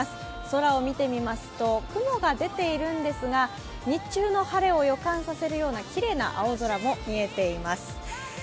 空を見てみますと、雲が出ているんですが、日中の晴れを予感させるようなきれいな青空も見えています。